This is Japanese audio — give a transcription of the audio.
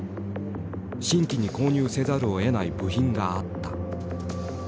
新規に購入せざるをえない部品があった。